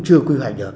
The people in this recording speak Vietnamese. chưa quy hoạch được